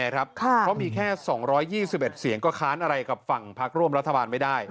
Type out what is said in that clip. เพราะมีแค่๒๒๑เสียงก็ค้านอะไรกับฝั่งพักร่วมรัฐบาลไม่ได้